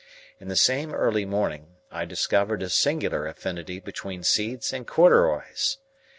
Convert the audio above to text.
In the same early morning, I discovered a singular affinity between seeds and corduroys.